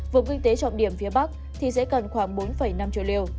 vùng kinh tế trọng điểm phía bắc thì sẽ cần khoảng bốn năm triệu liều